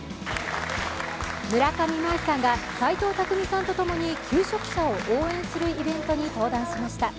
村上茉愛さんが斎藤工さんとともに求職者を応援するイベントに登場しました。